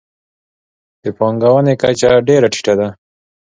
د پانګونې کچه ډېره ټیټه ده.